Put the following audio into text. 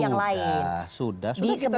yang lain sudah sudah kita